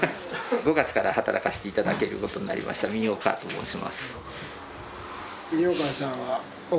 ５月から働かせていただけることになりました三代川と申します。